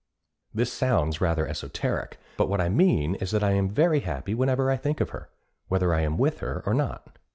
This sounds rather esoteric, but what I mean is that I am very happy whenever I think of her, whether I am with her or not.